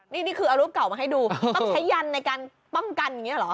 นี่คือเอารูปเก่ามาให้ดูต้องใช้ยันในการป้องกันอย่างนี้เหรอ